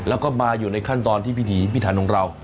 แล้วก็มาอยู่ในขั้นตอนที่พิถีพิถันของเรา